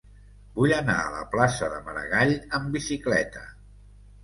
Vull anar a la plaça de Maragall amb bicicleta.